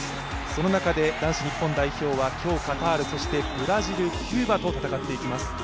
その中で男子日本代表は、今日カタールそしてブラジル、キューバと戦っていきます。